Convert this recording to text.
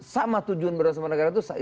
sama tujuan berusaha sama negara itu